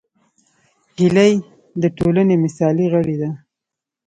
هیلۍ د ټولنې مثالي غړې ده